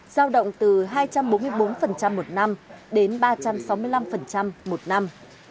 giao động từ hai trăm bốn mươi bốn một năm đến ba trăm sáu mươi năm một năm